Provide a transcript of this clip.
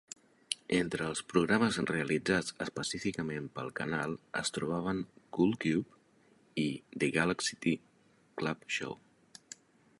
Entre els programes realitzats específicament pel canal es trobaven "Cool Cube" i "The Galaxy Club Show".